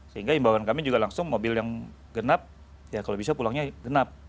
sehingga imbauan kami juga langsung mobil yang genap ya kalau bisa pulangnya genap